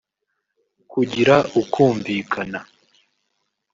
kugira ukumvikana